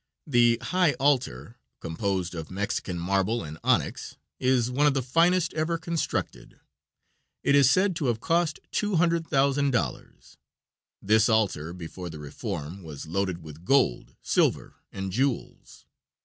The high altar, composed of Mexican marble and onyx, is one of the finest ever constructed. It is said to have cost $200,000. This altar, before the reform, was loaded with gold, silver, and jewels.